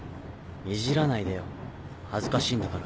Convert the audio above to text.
いじらないでよ恥ずかしいんだから。